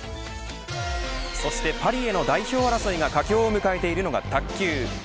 そして、パリへの代表争いが佳境を迎えているのが卓球。